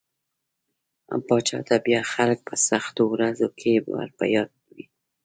پاچا ته بيا خلک په سختو ورځو کې ور په ياد وي.